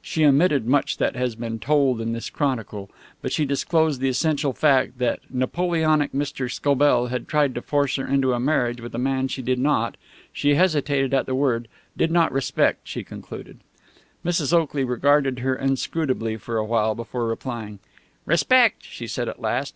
She omitted much that has been told in this chronicle. But she disclosed the essential fact, that Napoleonic Mr. Scobell had tried to force her into a marriage with a man she did not she hesitated at the word did not respect, she concluded. Mrs. Oakley regarded her inscrutably for a while before replying. "Respect!" she said at last.